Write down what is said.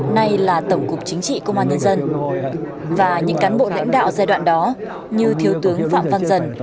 nay là tổng cục chính trị công an nhân dân và những cán bộ lãnh đạo giai đoạn đó như thiếu tướng phạm văn dần